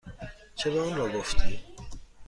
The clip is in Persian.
چرا آنرا گفتی؟